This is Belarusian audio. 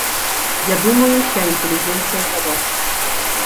Я думаю ўся інтэлігенцыя за вас!